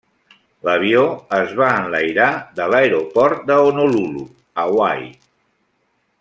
L'avió es va enlairar de l'aeroport de Honolulu, Hawaii.